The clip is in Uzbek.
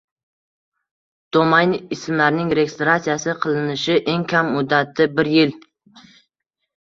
Domain ismlarning registratsiya qilinishi eng kam muddati bir yil